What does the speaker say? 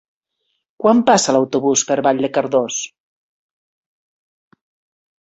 Quan passa l'autobús per Vall de Cardós?